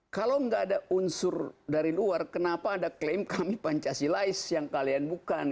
kalau nggak ada unsur dari luar kenapa ada klaim kami pancasilais yang kalian bukan